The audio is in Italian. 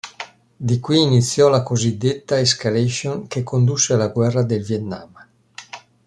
Di qui iniziò la cosiddetta "Escalation" che condusse alla Guerra del Vietnam.